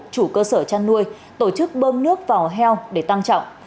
chủ cơ sở chăn nuôi tổ chức bơm nước vào heo để tăng trọng